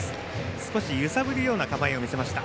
少し揺さぶるような構えを見せました。